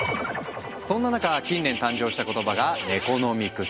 そんな中近年誕生した言葉が「ネコノミクス」。